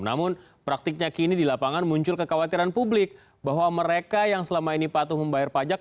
namun praktiknya kini di lapangan muncul kekhawatiran publik bahwa mereka yang selama ini patuh membayar pajak